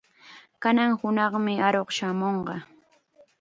Kanan hunaqmi aruq shamunqa.